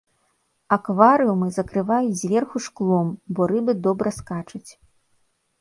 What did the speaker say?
Акварыумы закрываюць зверху шклом, бо рыбы добра скачуць.